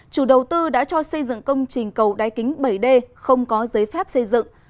chủ đầu tư đã cho xây dựng công trình cầu đáy kính bảy d không có giấy phép xây dựng